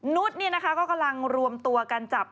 นุฏเนี่ยนะคะก็กำลังรวมตัวการจับ